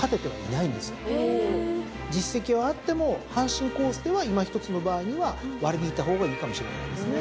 実績はあっても阪神コースではいまひとつの場合には割り引いた方がいいかもしれないですね。